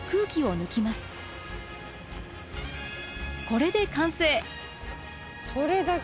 これで完成。